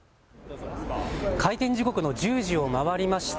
開店時刻の１０時を回りました。